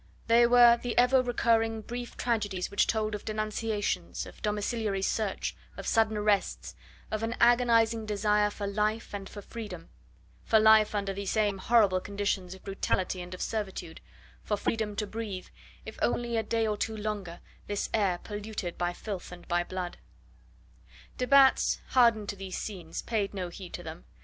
They were the ever recurring brief tragedies which told of denunciations, of domiciliary search, of sudden arrests, of an agonising desire for life and for freedom for life under these same horrible conditions of brutality and of servitude, for freedom to breathe, if only a day or two longer, this air, polluted by filth and by blood. De Batz, hardened to these scenes, paid no heed to them.